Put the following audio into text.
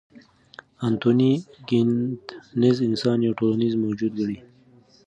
انتوني ګیدنز انسان یو ټولنیز موجود ګڼي.